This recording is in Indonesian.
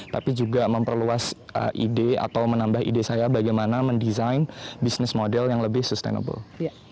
tapi juga memperluas ide atau menambah ide saya bagaimana mendesain bisnis model yang lebih sustainable